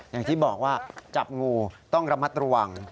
อย่างที่บอกว่าจับงูต้องระมัดระวัง